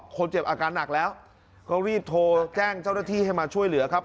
คนเจ็บอาการหนักแล้วก็รีบโทรแจ้งเจ้าหน้าที่ให้มาช่วยเหลือครับ